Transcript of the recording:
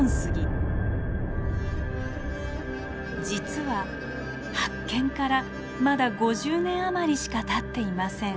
実は発見からまだ５０年余りしかたっていません。